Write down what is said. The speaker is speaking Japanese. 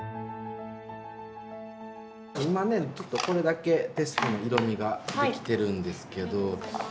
今ねちょっとこれだけテストの色味ができてるんですけど。